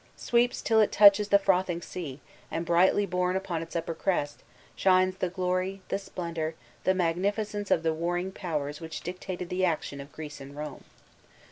Sweeps till it touches the frothing sea, and brightly borne upon its upper crest shines the glory, the splendor, the magnificence of the warring powers which dictated the action of Greece and Rome.